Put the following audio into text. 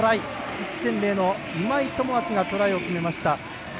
１．０の今井友明がトライを決めました。